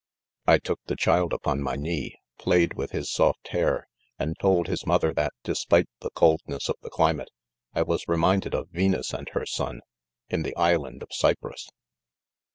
■ I. took', the child upon my knee \ played . with his soft hair/ and told his mother that, despite the coldness of the climate, I was reminded of Venus and her son, in the island of Cyprus.